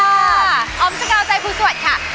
อายะพิษดาเจอพงภาค่ะ